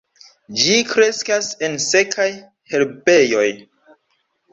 Ĝi kreskas en sekaj herbejoj.